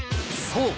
［そう。